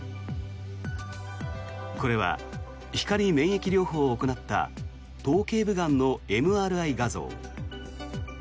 これは光免疫療法を行った頭頸部がんのＭＲＩ画像。